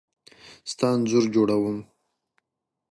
ستا انځور جوړوم .